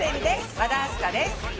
和田明日香です。